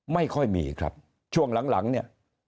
ไม่ค่อยมีครับช่วงหลังเนี่ย